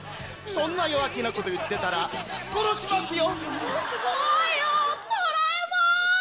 そんな弱気なこと言ってたら殺しますよ。